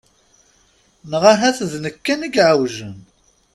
Neɣ ahat d nekk kan i iɛewjen?